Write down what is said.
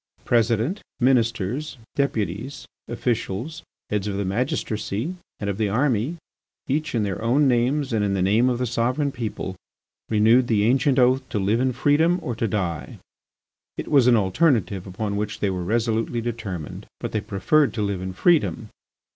President, Ministers, Deputies, officials, heads of the magistracy and of the army, each, in their own names and in the name of the sovereign people, renewed the ancient oath to live in freedom or to die. It was an alternative upon which they were resolutely determined. But they preferred to live in freedom.